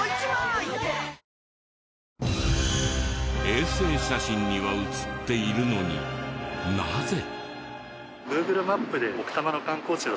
衛星写真には写っているのになぜ？